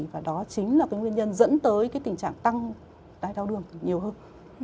và đó chính là cái nguyên nhân dẫn tới cái tình trạng tăng đai thao đường nhiều hơn